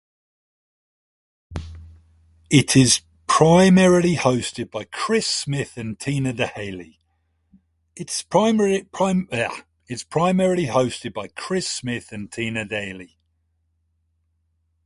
It is primarily hosted by Chris Smith and Tina Daheley.